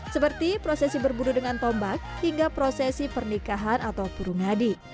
seperti prosesi berburu dengan tombak hingga prosesi pernikahan atau purung hadi